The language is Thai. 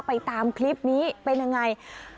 ตามคลิปนี้เป็นยังไง